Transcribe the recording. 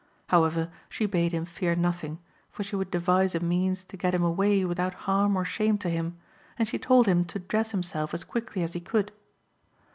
However, she bade him fear nothing, for she would devise a means to get him away without harm or shame to him, and she told him to dress himself as quickly as he could.